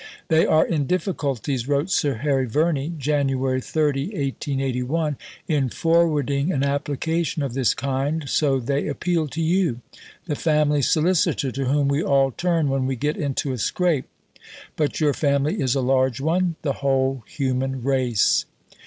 "They are in difficulties," wrote Sir Harry Verney (Jan. 30, 1881), in forwarding an application of this kind; "so they appeal to you the Family Solicitor to whom we all turn when we get into a scrape, but your Family is a large one the whole human race."